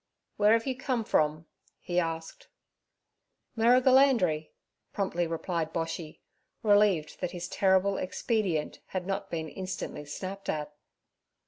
'Where have you come from?' he asked. 'Merrigulandri' promptly replied Boshy, relieved that his terrible expedient had not been instantly snapped at.